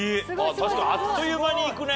確かにあっという間にいくね。